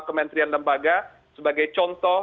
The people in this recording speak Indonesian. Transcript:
kementerian lembaga sebagai contoh